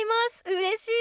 うれしい！